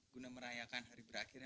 guna merayakan hari berakhirnya